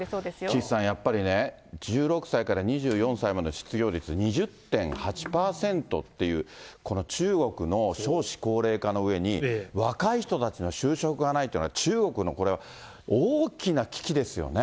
岸さん、やっぱりね、１６歳から２４歳までの失業率２０．８％っていう、この中国の少子高齢化の上に、若い人たちの就職がないっていうのは、中国の、これは大きな危機ですよね。